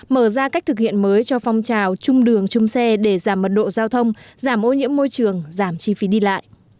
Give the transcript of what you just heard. mở ra cách thực hiện mới cho phong trào chung đường chung xe để giảm mật độ giao thông giảm ô nhiễm môi trường giảm chi phí đi lại